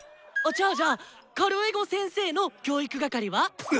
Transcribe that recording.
じゃあじゃあカルエゴ先生の教育係は⁉う！